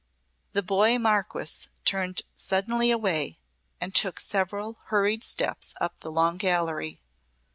The boy Marquess turned suddenly away and took several hurried steps up the Long Gallery.